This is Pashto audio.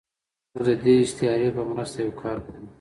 موږ د دې استعارې په مرسته یو کار کوو.